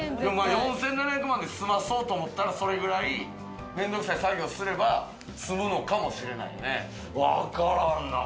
４７００万で済まそうと思ったら、それくらい面倒くさい作業すれば済むのかもしれないね。